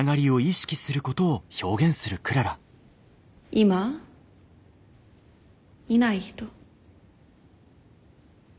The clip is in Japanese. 今いない人。